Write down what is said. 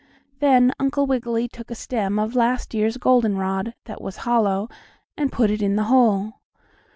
Then Uncle Wiggily took a stem of last year's goldenrod, that was hollow, and put it in the hole.